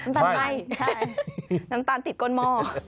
น้ำตาลไหมใช่น้ำตาลติดก้นมอ